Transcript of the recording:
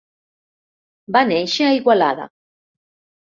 Va néixer a Igualada.